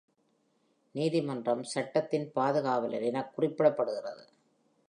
நீதிமன்றம் சட்டத்தின் பாதுகாவலர் எனக் குறிப்பிடப்படுகிறது.